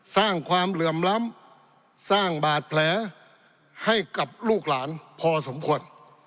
สร้างความเหลื่อมล้ำสร้างบาดแผลให้กับลูกหลานพอสมควร